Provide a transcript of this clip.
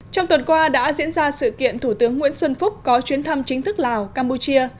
trong tuần qua đã diễn ra sự kiện thủ tướng nguyễn xuân phúc có chuyến thăm chính thức lào campuchia